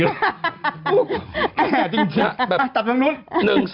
แค่จริง